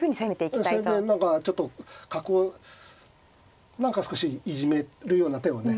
それで何かちょっと角を何か少しいじめるような手をね